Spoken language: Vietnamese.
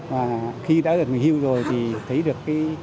và khi đã được nghỉ hưu rồi thì thấy được cái